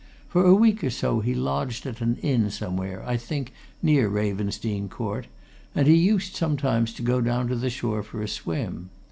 For a week or so, he lodged at an inn somewhere, I think, near Ravensdene Court, and he used sometimes to go down to the shore for a swim.